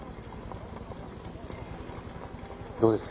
どうです？